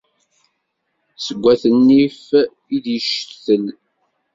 Seg at nnif i d-yectel.